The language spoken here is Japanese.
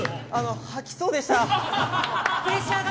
吐きそうでした。